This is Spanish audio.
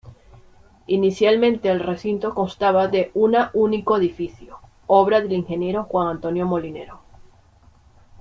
Inicialmente el recinto constaba de una único edificio, obra del ingeniero Juan Antonio Molinero.